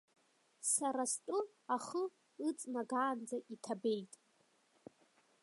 Сара стәы ахы ыҵнагаанӡа иҭабеит.